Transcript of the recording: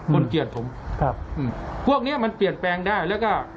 เกียรติผมครับอืมพวกเนี้ยมันเปลี่ยนแปลงได้แล้วก็